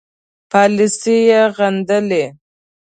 پالیسي یې غندلې.